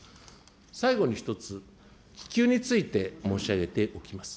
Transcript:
最後に一つ、気球について申し上げておきます。